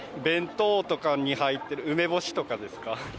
弁当とかに入ってる梅干しとかですか？